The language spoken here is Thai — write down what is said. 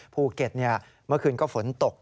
ภูเก็ตเมื่อคืนก็ฝนตก